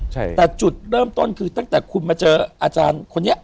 แต่จุดเริ่มต้นคือตั้งแต่คุณมาเจออาจารย์คนนี้